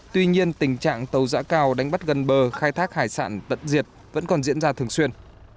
tuy nhiên tình trạng tàu dã cao đánh bắt gần bờ khai thác hải sản tận diệt vẫn còn diễn ra thường xuyên